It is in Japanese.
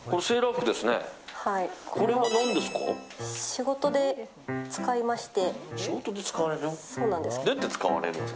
これ、仕事で使いまして。